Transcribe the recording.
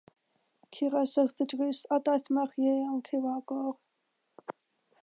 Curais wrth y drws, a daeth merch ieuanc i'w agor.